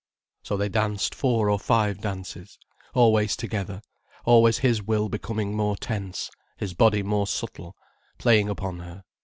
So they danced four or five dances, always together, always his will becoming more tense, his body more subtle, playing upon her.